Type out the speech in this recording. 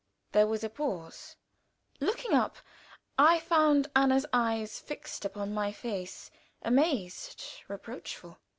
There was a pause. Looking up, I found Anna's eyes fixed upon my face, amazed, reproachful.